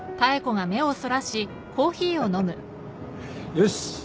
よし。